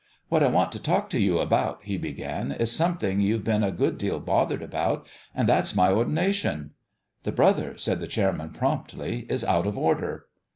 "What I want to talk to you about," he began, " is some thing you've been a good deal bothered about, and that's my ordination " "The brother," said the chairman, promptly, " is out of order."